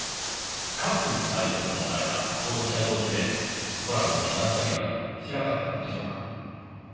カップルの解消ともなれば当事者同士でトラブルになったりはしなかったのでしょうか？